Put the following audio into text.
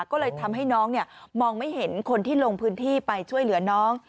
ก็เลยทำให้น้องมองไม่เห็นคนที่ลงพื้นที่ไปช่วยเหลือน้อง